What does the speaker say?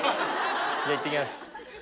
じゃあ行ってきます。